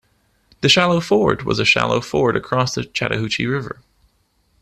The Shallow Ford was a shallow ford across the Chattahoochee River.